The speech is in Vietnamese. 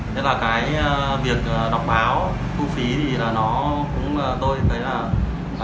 thế là cái việc đọc báo thu phí thì nó cũng tôi thấy là